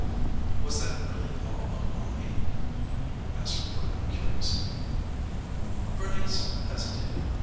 "Was that really all a line?" asked Roberta curiously. Bernice hesitated.